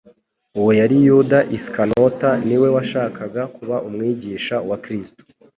Uwo yari Yuda Iskanota, niwe washakaga kuba umwigishwa wa Kristo.